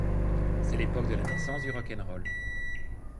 C'est l'époque de la naissance du rock 'n' roll.